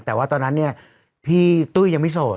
แต่ว่าตอนนั้นเนี่ยพี่ตุ้ยยังไม่โสด